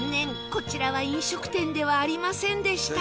こちらは飲食店ではありませんでした